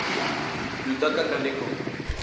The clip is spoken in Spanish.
Yutaka Kaneko